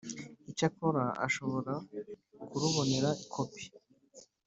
Icyakora ashobora kurubonera kopi